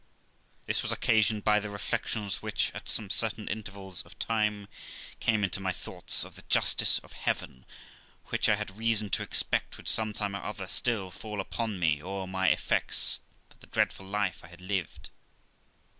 This was occasioned by the reflections which, at some certain intervals of time, came into my thoughts of the justice of heaven, which I had reason to expect would some time or other still fall upon me or my effects, for the dreadful life I had lived.